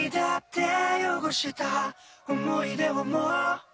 「思い出はもう」